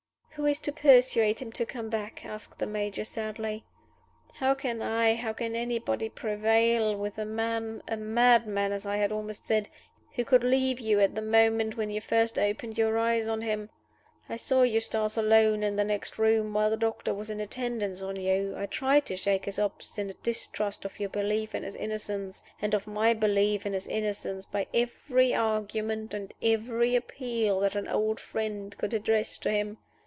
"Who is to persuade him to come back?" asked the Major, sadly. "How can I, how can anybody, prevail with a man a madman I had almost said! who could leave you at the moment when you first opened your eyes on him? I saw Eustace alone in the next room while the doctor was in attendance on you. I tried to shake his obstinate distrust of your belief in his innocence and of my belief in his innocence by every argument and every appeal that an old friend could address to him.